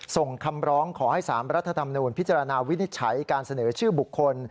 ส่งคำร้องขอให้๓รัฐธรรมนูญพิจารณาวินิจฉัยการเสนอชื่อบุคคล